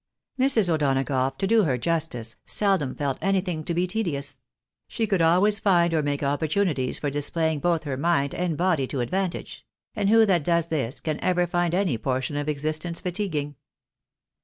Mrs. O'Donagough, to do her justice, seldom felt anything to be tedious ; she could always find or make opportunities for dis playing both her mind and body to advantage : and who that does this, can ever find any portion of existence fatiguing?